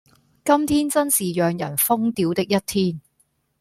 今天真是讓人瘋掉的一天